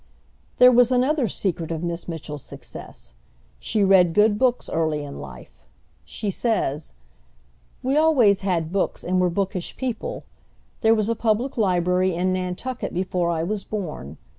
There was another secret of Miss Mitchell's success. She read good books early in life. She says: "We always had books, and were bookish people. There was a public library in Nantucket before I was born.